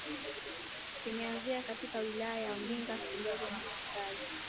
vimeanzia katika wilaya za Mbinga Tunduru na Masasi